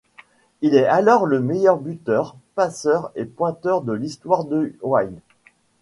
Il est alors le meilleur buteur, passeur et pointeur de l'histoire du Wild.